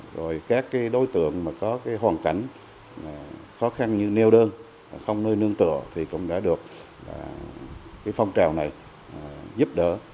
rồi các cái đối tượng mà có cái hoàn cảnh khó khăn như nêu đơn không nơi nương tựa thì cũng đã được cái phong trào này giúp đỡ